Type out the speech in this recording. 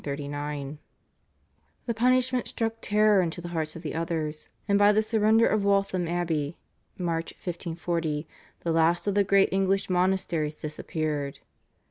This punishment struck terror into the hearts of the others, and by the surrender of Waltham Abbey (March 1540) the last of the great English monasteries disappeared.